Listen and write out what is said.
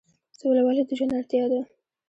سوله ولې د ژوند اړتیا ده؟